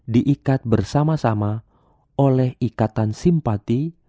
diikat bersama sama oleh ikatan simpati